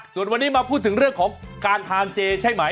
ส่วนวันนี้มาพูดถึงเรื่องของการทานเจใช่ไหม